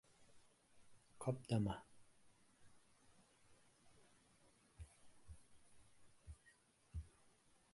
Cop de mà.